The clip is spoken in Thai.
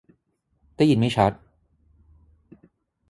ได้ยินไม่ชัด !